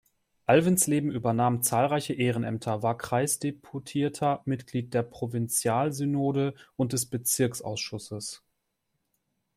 Alvensleben übernahm zahlreiche Ehrenämter, war Kreisdeputierter, Mitglied der Provinzialsynode und des Bezirksausschusses.